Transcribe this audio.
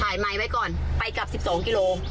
ถ่ายไม้ไว้ก่อนไปกลับสิบสองกิโล